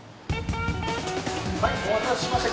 お待たせしました。